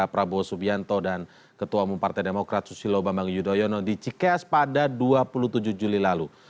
prabowo subianto dan ketua umum partai demokrat susilo bambang yudhoyono di cikeas pada dua puluh tujuh juli lalu